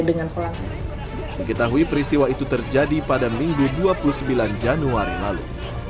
diketahui peristiwa itu terjadi pada minggu dua puluh sembilan januari lalu